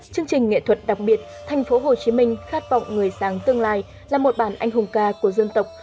chương trình nghệ thuật đặc biệt thành phố hồ chí minh khát vọng người sáng tương lai là một bản anh hùng ca của dân tộc